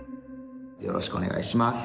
よろしくお願いします。